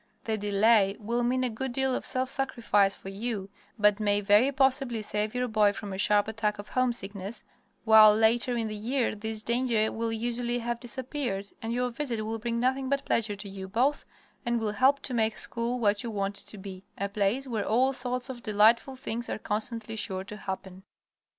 The delay will mean a good deal of self sacrifice for you, but may very possibly save your boy from a sharp attack of homesickness, while later in the year this danger will usually have disappeared, and your visit will bring nothing but pleasure to you both and will help to make school what you want it to be a place where all sorts of delightful things are constantly sure to happen.